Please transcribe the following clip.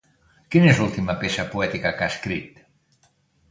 Quina és l'última peça poètica que ha escrit?